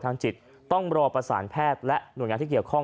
จิตต้องรอประสานแพทย์และหน่วยงานที่เกี่ยวข้อง